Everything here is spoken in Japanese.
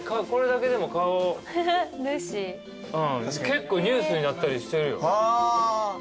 結構ニュースになったりしてるよ。